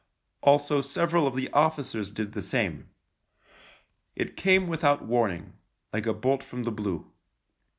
Also several of the officers did the same. It came with out warning — like a bolt from the blue.